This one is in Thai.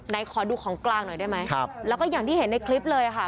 ขอดูของกลางหน่อยได้ไหมครับแล้วก็อย่างที่เห็นในคลิปเลยค่ะ